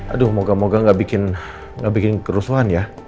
aduh moga moga nggak bikin kerusuhan ya